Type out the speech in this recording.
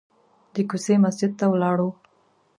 د کوڅې مسجد ته ولاړو.